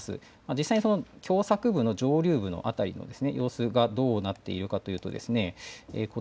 実際に狭さく部の上流部のあたりの様子がどうなってるかというと。